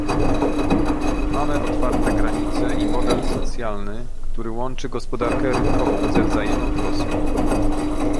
Mamy otwarte granice i model socjalny, który łączy gospodarkę rynkową ze wzajemną troską